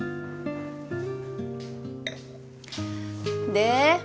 で？